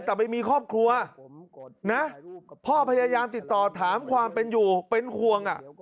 แต่ไปมีครอบครัวนะพ่อพยายามติดต่อถามความเป็นอยู่เป็นห่วง